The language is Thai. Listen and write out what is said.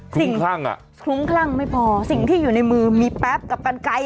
คลั่งอ่ะคลุ้มคลั่งไม่พอสิ่งที่อยู่ในมือมีแป๊บกับกันไกล